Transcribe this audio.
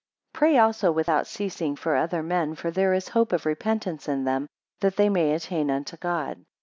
PRAY also without ceasing for other men; for there is hope of repentance in them, that they may attain unto God.